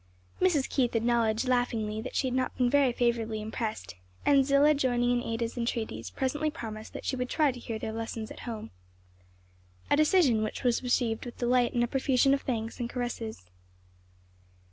Mrs. Keith acknowledged laughingly that she had not been very favorably impressed, and Zillah joining in Ada's entreaties, presently promised that she would try to hear their lessons at home. A decision which was received with delight and a profusion of thanks and caresses.